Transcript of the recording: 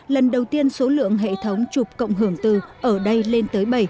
lần đầu tiên số lượng hệ thống chụp cộng hưởng từ ở đây lên tới bảy